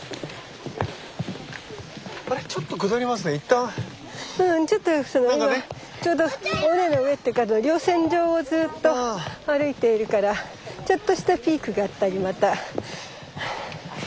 うんちょっと今ちょうど尾根の上っていうか稜線上をずっと歩いているからちょっとしたピークがあったりまたちょっと下ったり。